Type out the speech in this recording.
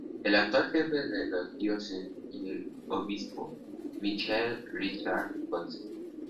El actual jefe de la Diócesis es el Obispo Michael Richard Cote.